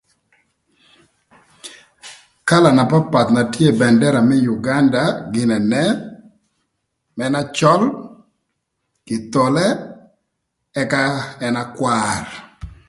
Kala na papath na tye ï bëndëra më Uganda gïn ene; ën na cöl, kithole, ëka ën na kwar.